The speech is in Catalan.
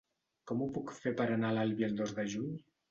Com ho puc fer per anar a l'Albi el dos de juny?